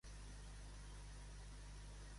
Als Balàfia fan la pel·lícula "Un món estrany" demà?